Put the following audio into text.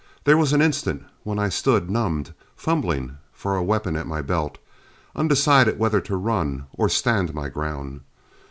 There was an instant when I stood numbed, fumbling for a weapon at my belt, undecided whether to run or stand my ground.